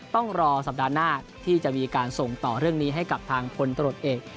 ต้องรอสัปดาห์หน้าที่จะมีการส่งต่อเรื่องนี้ให้กับทางพลตรวจเอก